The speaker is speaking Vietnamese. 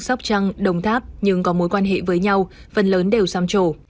sóc trăng đồng tháp nhưng có mối quan hệ với nhau phần lớn đều sam trổ